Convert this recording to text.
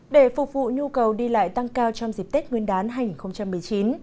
để phục vụ nhu cầu đi lại tăng cao trong dịp tết nguyên đán hai nghìn một mươi chín